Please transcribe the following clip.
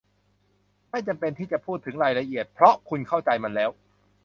ไม่จำเป็นที่จะพูดถึงรายละเอียด เพราะคุณเข้าใจมันแล้ว